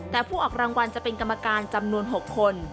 แต่ผู้ออกรางวัลจะเป็นกรรมการจำนวน๖คน